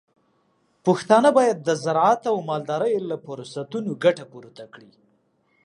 پښتانه بايد د زراعت او مالدارۍ له فرصتونو ګټه پورته کړي.